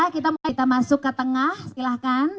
kita masuk ke tengah silahkan